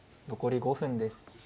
残り５分です。